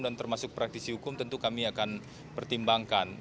dan termasuk praktisi hukum tentu kami akan pertimbangkan